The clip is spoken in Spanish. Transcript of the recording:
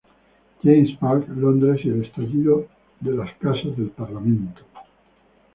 James's Park, Londres y el estallido de las casas del parlamento.